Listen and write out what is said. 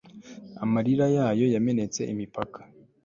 amarira yayo yamenetse imipaka